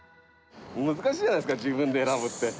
難しいじゃないですか、自分で選ぶって。